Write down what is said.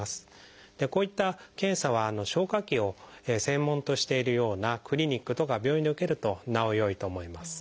こういった検査は消化器を専門としているようなクリニックとか病院で受けるとなおよいと思います。